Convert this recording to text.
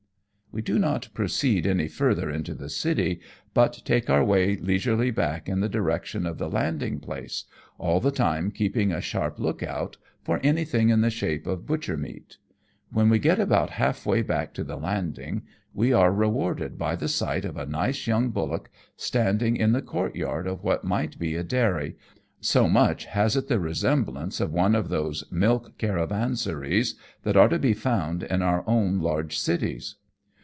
We do not proceed any further into the city, but take our way leisurely back in the direction of the landing place, all the time keeping a sharp look out for anjrthing in the shape of butcher meat. When we get about half way back to the landing, we are rewarded by the sight of a nice young bullock, stand ing in the courtyard of what might be a dairy, so much has it the resemblance of one of those milk caravan saries that are to be found in our own large cities.